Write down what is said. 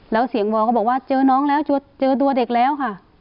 แล้วเสียงวอลก็บอกว่าเจอน้องแล้วเจอตัวเด็กแล้วค่ะ